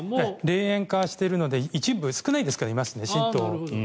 霊園化してるので一部少ないですがいますね、信徒。